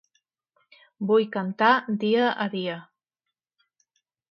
Vull cantar dia a dia.